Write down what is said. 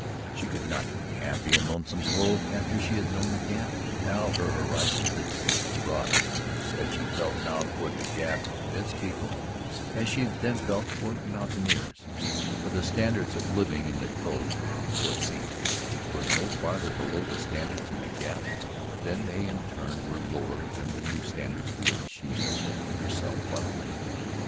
She could not be happy in Lonesome Cove after she had known the Gap, and now her horizon had so broadened that she felt now toward the Gap and its people as she had then felt toward the mountaineers: for the standards of living in the Cove so it seemed were no farther below the standards in the Gap than they in turn were lower than the new standards to which she had adapted herself while away.